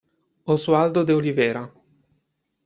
Oswaldo de Oliveira